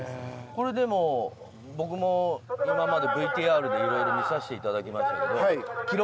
これでも僕も今までＶＴＲでいろいろ見さしていただきましたけど。